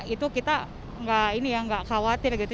itu kita enggak khawatir gitu